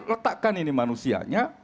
letakkan ini manusianya